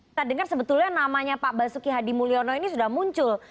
kita dengar sebetulnya namanya pak basuki hadi mulyono ini sudah muncul